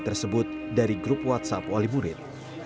tersebut dari grup whatsapp wali murid